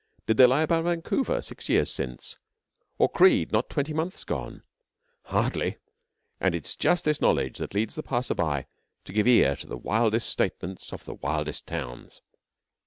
Did they lie about Vancouver six years since, or Creede not twenty months gone? Hardly; and it is just this knowledge that leads the passer by to give ear to the wildest statements of the wildest towns.